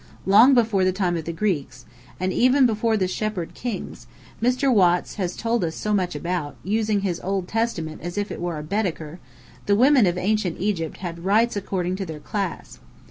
Long before the time of the Greeks, and even before the Shepherd Kings Mr. Watts has told us so much about, using his Old Testament as if it were a Baedeker, the women of Ancient Egypt had rights according to their class.